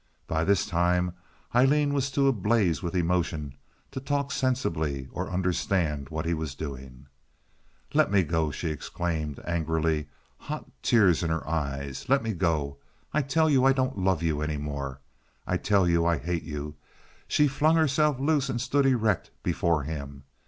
By this time Aileen was too ablaze with emotion to talk sensibly or understand what he was doing. "Let me go!" she exclaimed, angrily, hot tears in her eyes. "Let me go! I tell you I don't love you any more. I tell you I hate you!" She flung herself loose and stood erect before him.